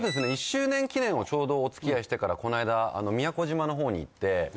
１周年記念をちょうどお付き合いしてからこないだ宮古島の方に行って。